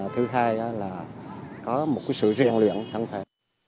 thứ hai là có một cái sự riêng luyện thân thể